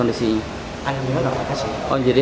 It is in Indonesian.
lima belas orang lebih ya